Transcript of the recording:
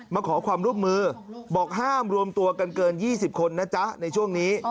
มาขอความร่วมมือบอกห้ามรวมตัวกันเกิน๒๐คนนะจ๊ะในช่วงนี้